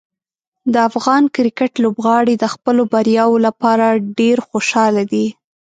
د افغان کرکټ لوبغاړي د خپلو بریاوو لپاره ډېر خوشحاله دي.